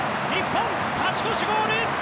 日本、勝ち越しゴール！